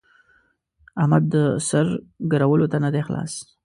احمد د سر ګرولو ته نه دی خلاص.